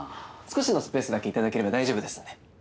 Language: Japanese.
少しのスペースだけ頂ければ大丈夫ですんで。